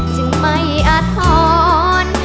จึงไม่อาทร